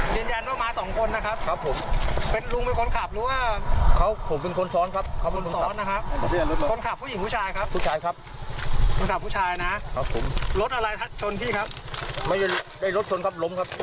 แต่ว่ามีมาด้วยกันสองคนหายไปครบ